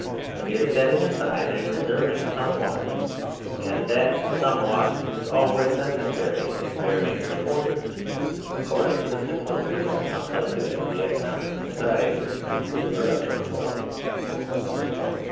It is setting aside and reserving somewhat, and that somewhat is always necessary in varying proportions according to the simplicity or complexity of the economic society to the production of wealth.